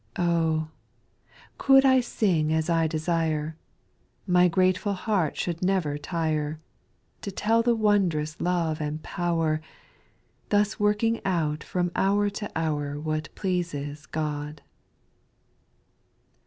4i Oh ! could I sing as I desire, My grateful heart should never tire. To tell the wondrous love and power, Thus working out from hour to hour What pleases God.